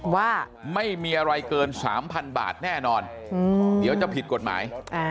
ว่าไม่มีอะไรเกิน๓๐๐๐บาทแน่นอนเดี๋ยวจะผิดกฎหมาย